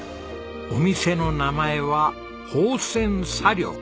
お店の名前は芳泉茶寮。